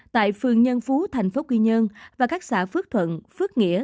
tại phường nhân phú thành phố quy nhơn và các xã phước thuận phước nghĩa